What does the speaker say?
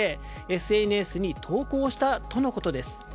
ＳＮＳに投稿したとのことです。